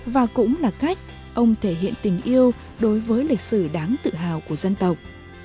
và cũng là cách ông thể hiện tình yêu đối với lịch sử đáng tự hào của dân tộc